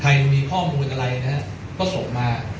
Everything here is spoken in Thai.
ใครมีข้อมูลอะไรนะก็ส่งมา